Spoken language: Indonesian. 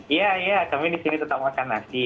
iya iya kami di sini tetap makan nasi